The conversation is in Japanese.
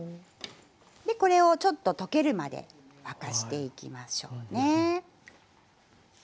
でこれをちょっと溶けるまで沸かしていきましょうね。